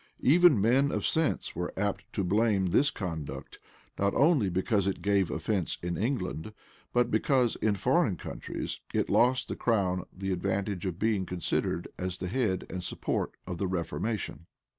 Even men of sense were apt to blame this conduct, not only because it gave offence in England, but because, in foreign countries, it lost the crown the advantage of being considered as the head and support of the reformation.